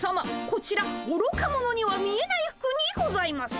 こちらおろか者には見えない服にございます。